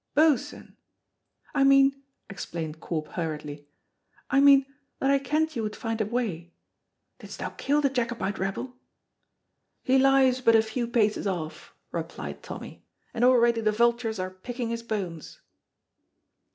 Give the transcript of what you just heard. "Boatswain!" "I mean," explained Corp hurriedly, "I mean that I kent you would find a wy. Didest thou kill the Jacobite rebel?" "He lies but a few paces off," replied Tommy, "and already the vultures are picking his bones."